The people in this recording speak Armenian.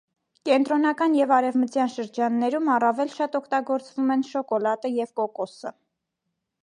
Կենտրոնական և արևմտյան շրջաններում առավել շատ օգտագործվում են շոկոլադը և կոկոսը։